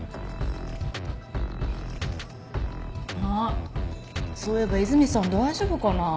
あっそういえば和泉さん大丈夫かな？